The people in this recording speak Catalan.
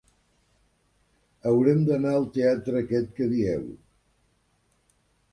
Haurem d'anar al teatre aquest que dieu.